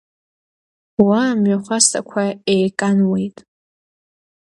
Уа амҩахәасҭақәа еикануеит.